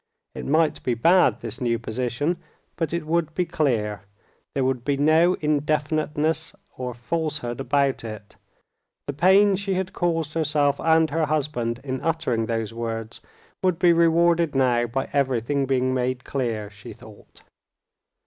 It might be bad, this new position, but it would be clear; there would be no indefiniteness or falsehood about it. The pain she had caused herself and her husband in uttering those words would be rewarded now by everything being made clear, she thought.